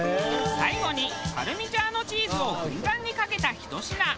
最後にパルミジャーノチーズをふんだんにかけたひと品。